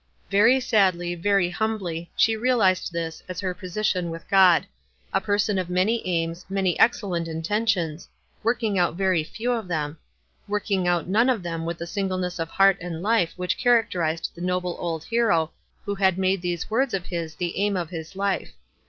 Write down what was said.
'" Very sadly, very hambly, she realized this as her position with God — a person of many aims, many excellent intentions ; working out very few of them ; working out none of them with the sin gleness of heart and life which characterized the noble old hero who had made those words of his the aim of his life.